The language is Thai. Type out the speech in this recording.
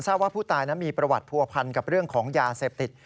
ว่าผู้ตายนั้นมีประวัติผัวพันกับเรื่องของยาเสพติด